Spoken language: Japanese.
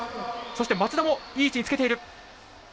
そして松田もいい位置につけている。